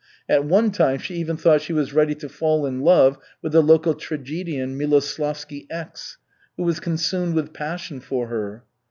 At one time she even thought she was ready to fall in love with the local tragedian Miloslavsky X, who was consumed with passion for her.